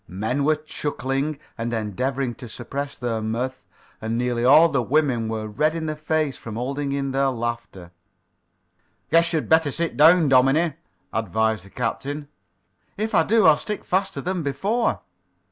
Men were chuckling and endeavoring to suppress their mirth, and nearly all the women were red in the face from holding in their laughter. "Guess you'd better sit down, dominie," advised the captain. "If I do, I'll stick faster than before."